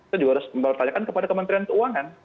itu juga harus dipertanyakan kepada kementerian keuangan